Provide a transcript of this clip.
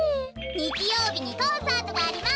にちようびにコンサートがあります！